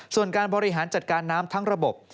ส่วนการบริหารจัดการน้ำทั้งระบบ